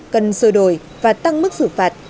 cần sơ đổi và tăng mức xử phạt